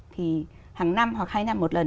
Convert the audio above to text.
thì hàng năm hoặc hai năm một lần